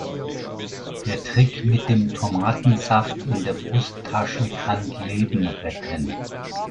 Der Trick mit dem Tomatensaft in der Brusttasche kann Leben retten.